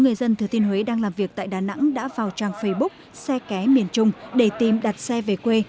ba người dân thừa thiên huế đang làm việc tại đà nẵng đã vào trang facebook xe ké miền trung để tìm đặt xe về quê